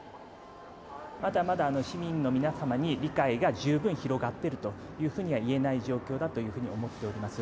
まだまだ、市民の皆様に理解が十分広がっているというふうには言えない状況だというふうに思っています。